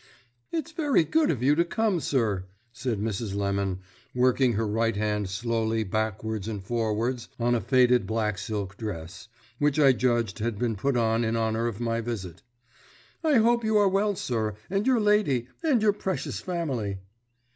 "It's very good of you to come, sir," said Mrs. Lemon, working her right hand slowly backwards and forwards on a faded black silk dress, which I judged had been put on in honour of my visit. "I hope you are well, sir, and your lady, and your precious family."